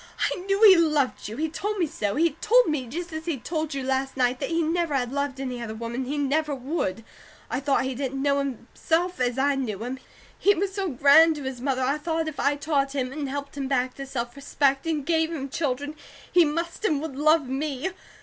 I knew he loved you. He told me so. He told me, just as he told you last night, that he never had loved any other woman and he never would. I thought he didn't know himself as I knew him. He was so grand to his mother, I thought if I taught him, and helped him back to self respect, and gave him children, he must, and would love me.